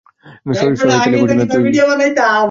শয়তানি করছিলি না তুই?